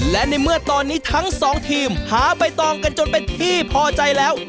และในเมื่อตอนนี้ทั้งสองทีมหาใบตองกันจนเป็นที่พอใจแล้ว